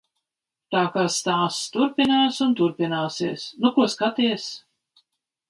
Tā kā stāsts turpinās un turpināsies. Nu ko skaties?